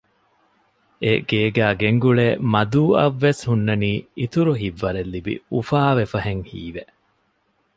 އެ ގޭގައި ގެންގުޅޭ މަދޫއަށް ވެސް ހުންނަނީ އިތުރު ހިތްވަރެއް ލިބި އުފާވެފަހެން ހީވެ